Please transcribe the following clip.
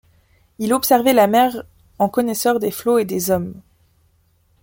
Il observait la mer en connaisseur des flots et des hommes.